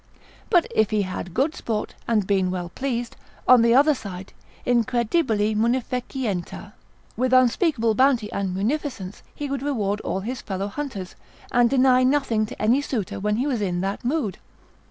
But if he had good sport, and been well pleased, on the other side, incredibili munificentia, with unspeakable bounty and munificence he would reward all his fellow hunters, and deny nothing to any suitor when he was in that mood.